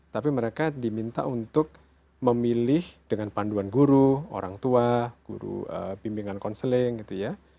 tapi mereka diminta untuk memilih dengan panduan guru orang tua guru bimbingan konseling gitu ya